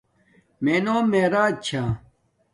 مے نوم میراج چھا